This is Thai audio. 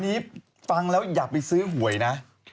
อันนี้ฟังแล้วอย่าไปซื้อหวยนะ